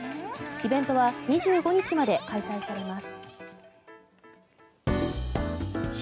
イベントは２５日まで開催されます。